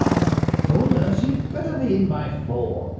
"I told her she'd better be in by four.